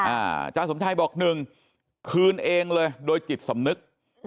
อาจารย์สมชัยบอกหนึ่งคืนเองเลยโดยจิตสำนึก